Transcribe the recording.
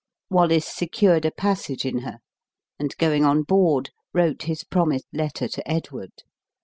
Wallace secured a passage in her; and, going on board, wrote his promised letter to Edward.